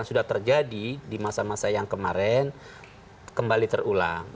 sudah terjadi di masa masa yang kemarin kembali terulang